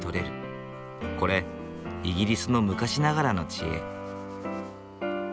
これイギリスの昔ながらの知恵。